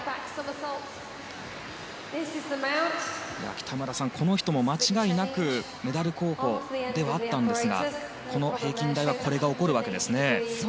北村さん、この人も間違いなくメダル候補ではあったんですが平均台はこれが起こるわけですね。